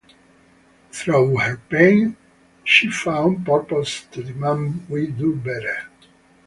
Through her pain she found purpose to demand we do better.